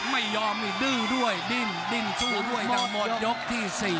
ไม่ยอมเนี่ยดื้อด้วยดิ้นดิ้นชู้ด้วยทั้งหมดยกที่สี่